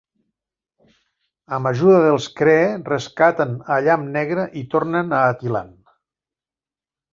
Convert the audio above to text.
Amb ajuda dels Kree, rescaten a Llamp negre i tornen a Attilan.